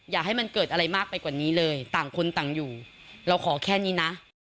อย่าให้มันเกิดอะไรมากไปกว่านี้เลยต่างคนต่างอยู่เราขอแค่นี้นะ